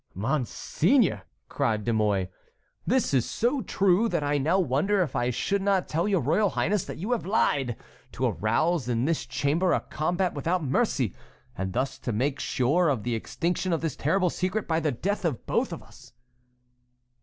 "Monseigneur!" cried De Mouy, "this is so true, that I now wonder if I should not tell your royal highness that you have lied! to arouse in this chamber a combat without mercy, and thus to make sure of the extinction of this terrible secret by the death of both of us."